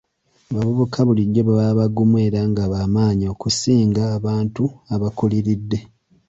Abavubuka bulijjo baba bagumu era nga b'amaanyi okusinga abantu abakuliridde.